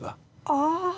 ああ。